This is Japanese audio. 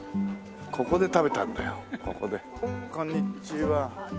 こんにちは。